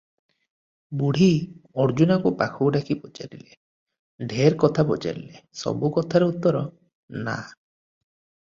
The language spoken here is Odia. ବୁଢୀ ଅର୍ଜୁନାକୁ ପାଖକୁ ଡାକି ପଚାରିଲେ - ଢେର କଥା ପଚାରିଲେ, ସବୁ କଥାରେ ଉତ୍ତର - "ନା" ।